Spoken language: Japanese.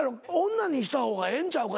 女にした方がええんちゃうか？